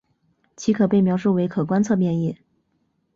其可被描述为可观测变异。